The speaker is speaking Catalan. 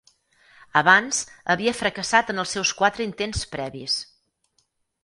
Abans, havia fracassat en els seus quatre intents previs.